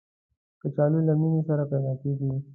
کچالو له مینې سره پیدا کېږي